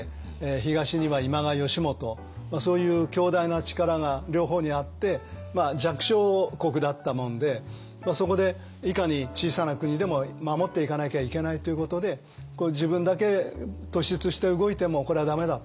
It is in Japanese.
そういう強大な力が両方にあって弱小国だったもんでそこでいかに小さな国でも守っていかなきゃいけないということで自分だけ突出して動いてもこれは駄目だと。